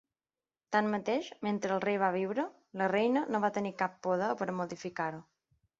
Tanmateix, mentre el rei va viure, la Reina no va tenir cap poder per a modificar-ho.